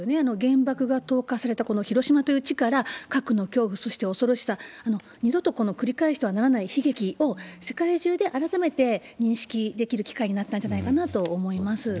原爆が投下されたこの広島という地から、核の恐怖、そして恐ろしさ、そして二度と繰り返してはならない悲劇を世界中で改めて認識できる機会になったんじゃないかなと思います。